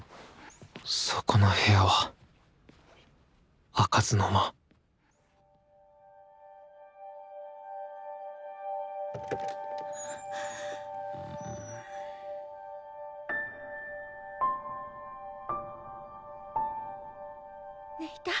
そこの部屋は開かずの間ねえいた？